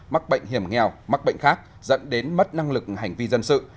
mắc bệnh hiểm nghèo mắc bệnh khác dẫn đến mất năng lực hành vi dân sự